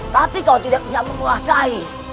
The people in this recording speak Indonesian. tapi kalau tidak bisa menguasai